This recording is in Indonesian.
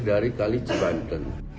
dari kali cibanten